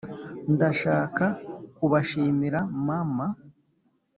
ndashaka kubashimira mama,